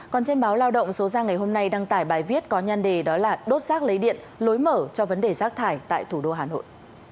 còn trên báo lao động số ra ngày hôm nay đăng tải bài viết có nhan đề đó là đốt rác lấy điện lối mở cho vấn đề rác thải tại thủ đô hà nội